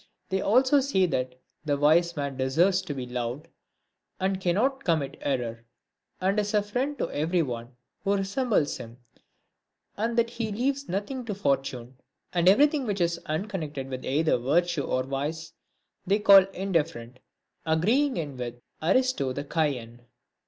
They also say that the wise man deserves to be loved, and cannot commit error, and is a friend to every one who resem bles him, and that he leaves nothing to fortune. And every thing which is unconnected with either virtue or vice they call indifferent, agreeing in this with Aristo, the Chian.